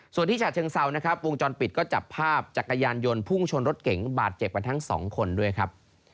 ส่วนที่ฉะเชิงเซานะครับวงจรปิดก็จับภาพจักรยานยนต์พุ่งชนรถเก๋งบาดเจ็บกันทั้งสองคนด้วยครับ